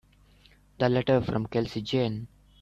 The letter from Kelsey Jane.